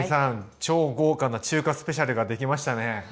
超豪華な中華スペシャルができましたね！